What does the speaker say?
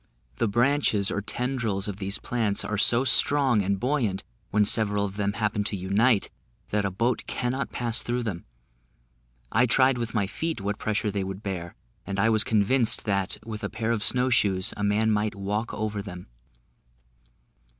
The branches or tendrils of these plants are so strong and buoyant, when several of them happen to unite, that a boat cannot pass through them; I tried with my feet what pressure they would bear, and I was convinced that, with a pair of snow shoes, a man might walk over them.